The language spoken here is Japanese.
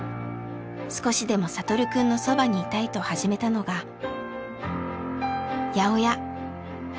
少しでも聖くんのそばにいたいと始めたのが八百屋！